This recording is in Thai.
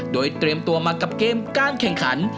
โดยเตรียมตัวมากับเกมการแข่งขัน